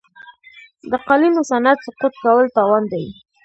د قالینو صنعت سقوط کول تاوان دی.